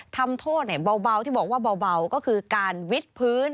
ทำโทษเบาที่บอกว่าเบาก็คือการวิทย์พื้น